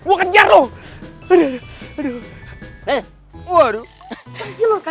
aduh aduh aduh